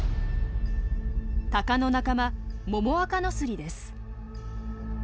タカの仲間モモアカノスリです。